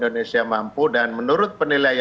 karena mau kamu menang menang velo misalnya